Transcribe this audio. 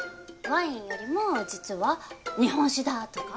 ワインよりも実は日本酒だとか。